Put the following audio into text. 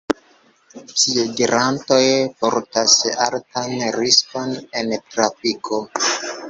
Piedirantoj portas altan riskon en trafiko.